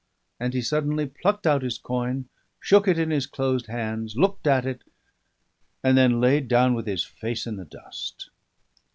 And he suddenly plucked out his coin, shook it in his closed hands, looked at it, and then lay down with his face in the dust.